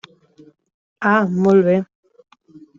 Ah, molt bé.